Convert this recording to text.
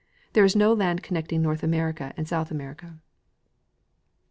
There is no land con necting North America and South America.